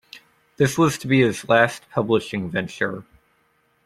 This was to be his last publishing venture.